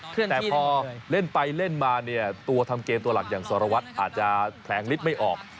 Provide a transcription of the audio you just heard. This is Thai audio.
แต่พอเล่นไปเล่นมาเนี่ยตัวทำเกมตัวหลักอย่างสารวัตรอาจจะแผลงฤทธิ์ไม่ออก